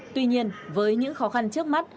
tuy nhiên với những khó khăn trước mắt